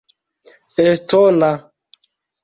estona